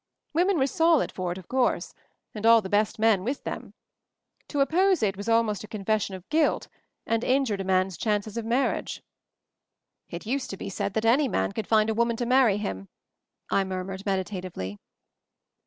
Women were solid for it, of course — And all the best men with them. To oppose it was almost a confession of guilt and injured a man's chances of mar riage." "It used to be said that any man could find a woman to marry him," I murmured, meditatively.